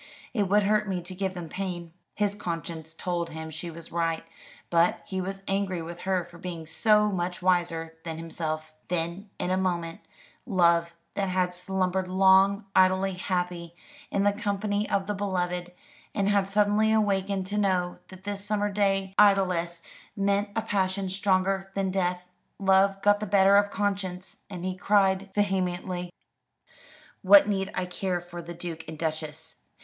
"It would hurt me to give them pain." His conscience told him she was right, but he was angry with her for being so much wiser than himself. Then, in a moment, love that had slumbered long, idly happy in the company of the beloved, and had suddenly awakened to know that this summer day idlesse meant a passion stronger than death love got the better of conscience, and he cried vehemently: "What need I care for the Duke and Duchess!